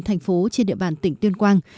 thành phố trên địa bàn tỉnh tuyên quang